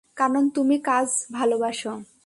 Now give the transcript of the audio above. কারণ তুমি কাজ ভালবাসো।